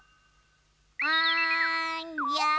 あんじゃ。